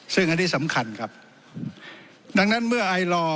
ซึ่งอันนี้สำคัญครับดังนั้นเมื่อไอลอร์